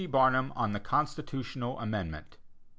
BARNUM, ON THE CONSTITUTIONAL AMENDMENT.